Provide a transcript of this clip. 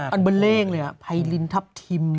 อันเบลี่งแล้วฮะไพรินทัพทิม